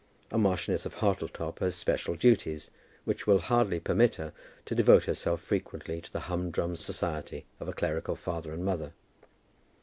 A Marchioness of Hartletop has special duties which will hardly permit her to devote herself frequently to the humdrum society of a clerical father and mother.